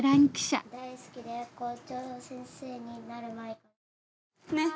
「大好きで校長先生になる前」ねっ。